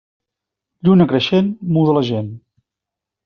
Lluna creixent muda la gent.